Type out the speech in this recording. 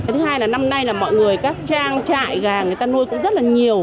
thứ hai là năm nay là mọi người các trang trại gà người ta nuôi cũng rất là nhiều